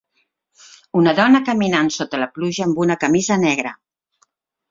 Una dona caminant sota la pluja, amb una camisa negra.